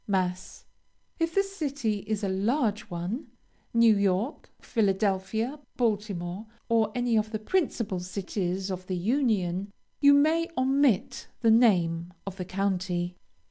Mass. If the city is a large one, New York, Philadelphia, Baltimore, or any of the principal cities of the Union, you may omit the name of the county.